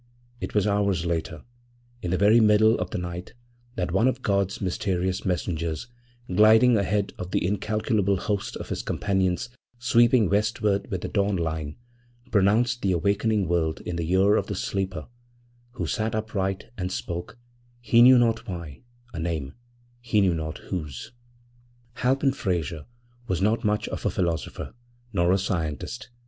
It was hours later, in the very middle of the night, that one of God's mysterious messengers, gliding ahead of the incalculable host of his companions sweeping westward with the dawn line, pronounced the awakening word in the ear of the sleeper, who sat upright and spoke, he knew not why, a name, he knew not whose. < 2 > Halpin Frayser was not much of a philosopher, nor a scientist.